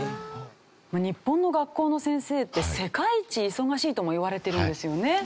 まあ日本の学校の先生って世界一忙しいともいわれてるんですよね。